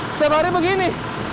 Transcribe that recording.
setiap hari begini